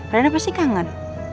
rena pasti kangen